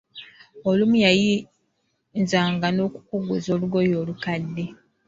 Olumu yayinzanga n'okukuguza olugoye olukadde.